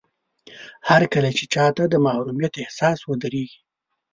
هرکله چې چاته د محروميت احساس ودرېږي.